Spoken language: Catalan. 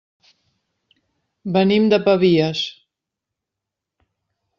Venim de Pavies.